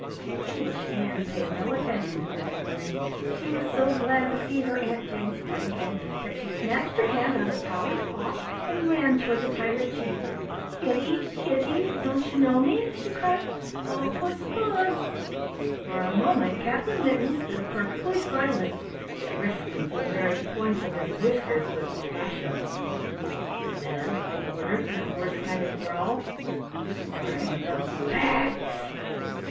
Foolish Ann paid no attention to this warning. She was so glad to see her Aunt Jane's pet again that she snatched her hand out of Prowler's paw, and ran toward the Pirate Chief. "Kitty, Kitty, don't you know me?" she cried. "Oh, Puss, Puss!" For a moment Captain Mittens stood perfectly silent, bristling to the very points of his whiskers with passion. Then he ordered in a hoarse kind of growl: "Bring the bags."